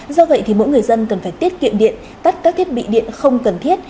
do vậy thì mỗi người dân cần phải tiết kiệm điện tắt các thiết bị điện không cần thiết